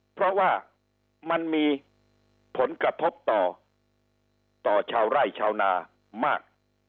เพราะว่ามันมีผลกระทบต่อต่อชาวไร่ชาวนามาก